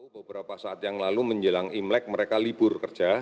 beberapa saat yang lalu menjelang imlek mereka libur kerja